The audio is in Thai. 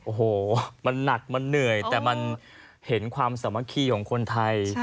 โอ้โหมันหนักมันเหนื่อยแต่มันเห็นความสามัคคีของคนไทย